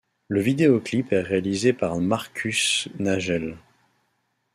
Le vidéoclip est réalisé par Markus Nagel.